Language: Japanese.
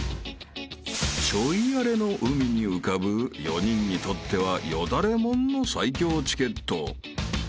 ［ちょい荒れの海に浮かぶ４人にとってはよだれもんの最強チケット］